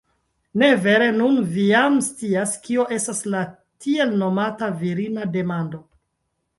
Ne vere, nun vi jam scias, kio estas la tiel nomata virina demando?